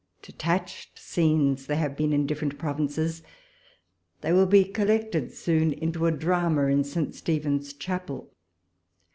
De tached scenes there have been in different pro vinces : they will be collected soon into a drama in St. Stephen's Chapel.